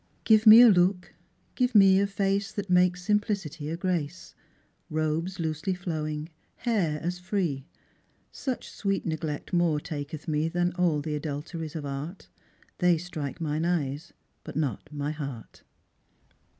Give me a look, give me a face, That makes simplicity a grace ; Robes loosely flowing, hair as free ; Such sweet neglect more taketh me Than aU the adulteries of art ; They strike mine eyes, but not my heart."